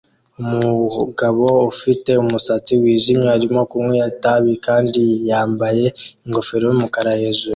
Umugabo ufite umusatsi wijimye arimo kunywa itabi kandi yambaye ingofero yumukara hejuru